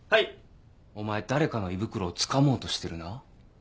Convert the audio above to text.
お前誰かの胃袋をつかもうとしてるな？